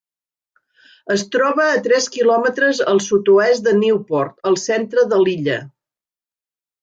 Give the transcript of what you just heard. Es troba a tres quilòmetres al sud-oest de Newport, al centre de l'illa.